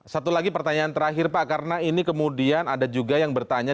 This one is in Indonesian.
satu lagi pertanyaan terakhir pak karena ini kemudian ada juga yang bertanya